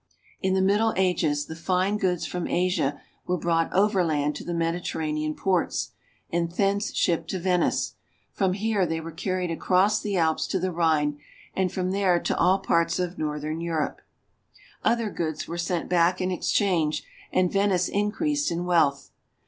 In the Middle Ages, the fine goods from Asia were brought overland to the Mediterranean ports, and thence shipped to Venice ; from here they were carried across the Alps to the Rhine, and from there to all parts of northern VENICE. 4OI Europe. Other goods were sent back in exchange, and Venice increased in wealth.